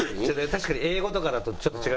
確かに英語とかだとちょっと違うもんね。